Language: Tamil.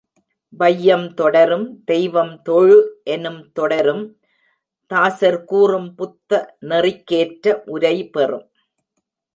வையம் தொடரும் தெய்வம் தொழு எனும் தொடரும் தாசர் கூறும் புத்தநெறிக்கேற்ற உரை பெறும்.